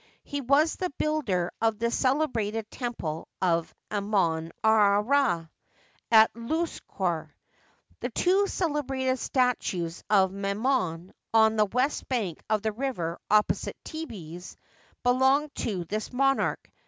He was the builder of the celebrated temple of Amon Ra, at Louqsor. The two celebrated " statues of Memnon," on the west bank of the river opposite Thebes, belong to this monarch.